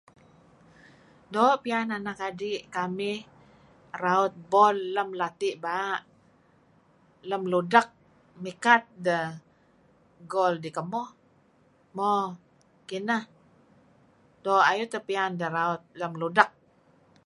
Doo' piyan anak adi' kamih raut bol lem lati' baa', lem ludek , mikat deh gol dih kemuh. Mo, kineh.